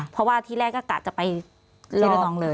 เพราะว่าที่แรกก็กลับจะไปรอนมืองเลย